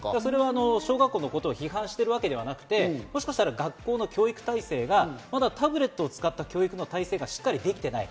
小学校のことを批判しているわけではなくて、もしかしたら学校の教育体制がまだタブレットを使った教育の体制がしっかりできていない。